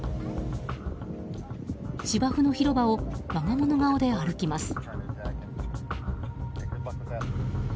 芝生の広場を我が物顔で歩きます。